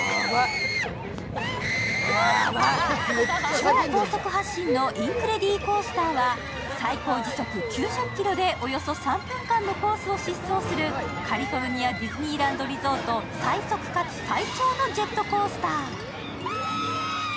超高速発進のインクレディーコースターは最高時速９０キロでおよそ３分間のコースを疾走するカリフォルニア・ディズニーランド・リゾート最速かつ最長のジェットコースター。